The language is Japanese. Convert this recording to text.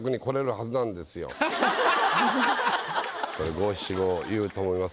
五七五言うと思いますよ。